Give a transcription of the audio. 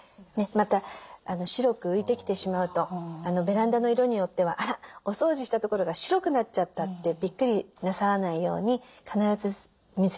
また白く浮いてきてしまうとベランダの色によっては「あらお掃除したところが白くなっちゃった！」ってビックリなさらないように必ず水で流してください。